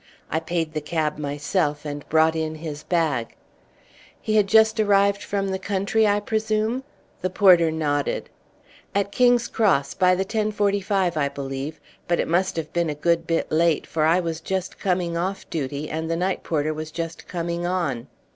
I paid the cab myself and brought in his bag." "He had just arrived from the country, I presume?" The porter nodded. "At King's Cross, by the 10.45, I believe; but it must have been a good bit late, for I was just coming off duty, and the night porter was just coming on."